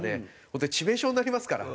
本当に致命傷になりますから。